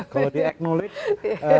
kalau di acknowledge